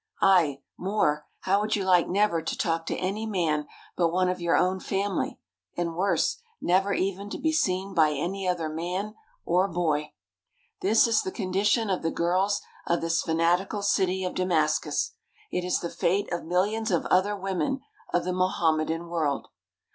Aye, more, how would you like never to talk to any man but one of your own family, and worse, never even to be seen by any other man or boy? This is the condition of the girls of this fanatical city of Damascus. It is the fate of millions of other women of the Mohammedan world.